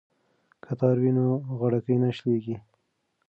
که تار وي نو غاړکۍ نه شلیږي.